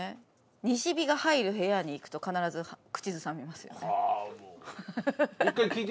西陽が入る部屋に行くと必ず口ずさみますよね。